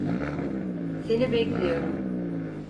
Seni bekliyorum.